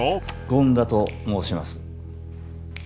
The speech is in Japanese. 権田と申します。